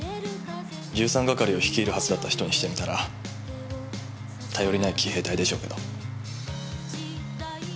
１３係を率いるはずだった人にしてみたら頼りない騎兵隊でしょうけど。